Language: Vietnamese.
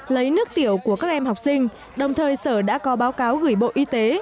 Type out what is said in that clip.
lấy nước tiểu của các em học sinh đồng thời sở đã có báo cáo gửi bộ y tế